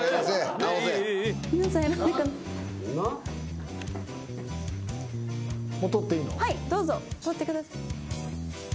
どうぞ取ってください。